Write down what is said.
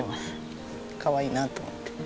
かわいいなって思って。